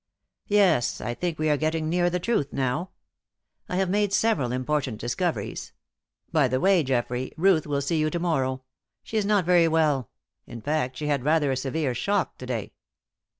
"Yes: I think we are getting near the truth now. I have made several important discoveries. By the way, Geoffrey, Ruth will see you to morrow; she is not very well in fact, she had rather a severe shock to day."